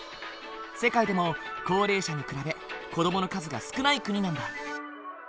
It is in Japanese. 世界でも高齢者に比べ子どもの数が少ない国なんだ。